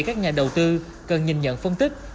các nhà đầu tư cần nhìn nhận phân tích